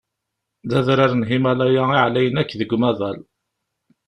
D adrar n Himalaya i yeɛlayen akk deg umaḍal.